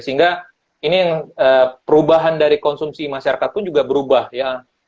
sehingga ini yang perubahan dari konsumsi masyarakat pun juga berubah ya